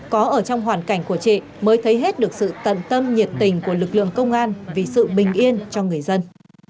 có ở trong hoàn cảnh của chị mới thấy hết được sự tận tâm nhiệt tình của lực lượng công an vì sự bình yên cho người dân